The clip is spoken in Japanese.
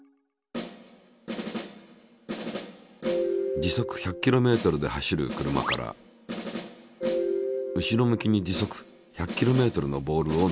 時速１００ｋｍで走る車から後ろ向きに時速１００ｋｍのボールを投げる。